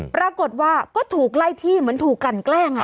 ปรากฏว่าก็ถูกไล่ที่เหมือนถูกกันแกล้ง